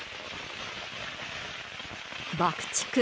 爆竹。